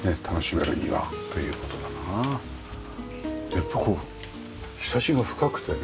やっぱこうひさしが深くてね